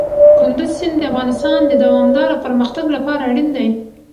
کندز سیند د افغانستان د دوامداره پرمختګ لپاره اړین دی.